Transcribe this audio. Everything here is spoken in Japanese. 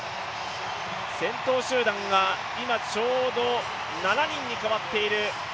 先頭集団が今、ちょうど７人に変わっている。